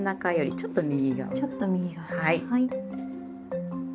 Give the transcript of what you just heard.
ちょっと右側。